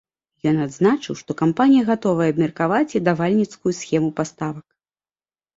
Ён адзначыў, што кампанія гатовая абмеркаваць і давальніцкую схему паставак.